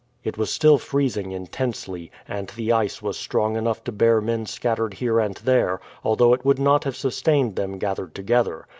It was still freezing intensely, and the ice was strong enough to bear men scattered here and there, although it would not have sustained them gathered together.